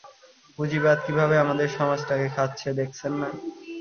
পুঁজিবাদ কীভাবে আমাদের সমাজটাকে খাচ্ছে দেখছেন না?